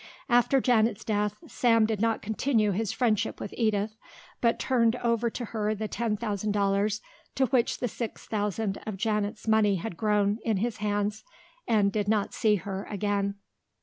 After Janet's death, Sam did not continue his friendship with Edith, but turned over to her the ten thousand dollars to which the six thousand of Janet's money had grown in his hands and did not see her again.